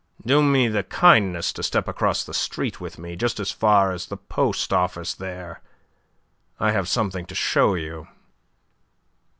"Do me the kindness to step across the street with me. Just as far as the post office there. I have something to show you."